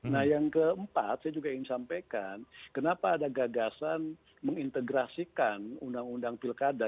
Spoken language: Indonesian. nah yang keempat saya juga ingin sampaikan kenapa ada gagasan mengintegrasikan undang undang pilkada